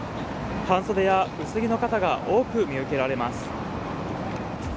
半袖や薄着の方が多く見受けられます。